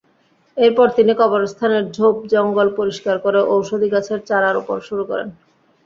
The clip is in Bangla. এরপর তিনি কবরস্থানের ঝোপ-জঙ্গল পরিষ্কার করে ঔষধি গাছের চারা রোপণ শুরু করেন।